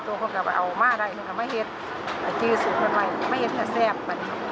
แต่คือสุดไม่ไหวไม่เห็นก็แทรกไป